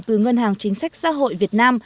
từ ngân hàng chính sách xã hội việt nam